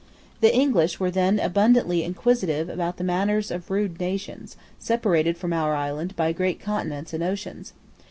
The English were then abundantly inquisitive about the manners of rude nations separated from our island by great continents and oceans.